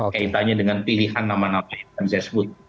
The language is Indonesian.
kaitannya dengan pilihan nama nama yang bisa disebut